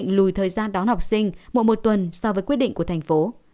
quyết định lùi thời gian đón học sinh mỗi một tuần so với quyết định của thành phố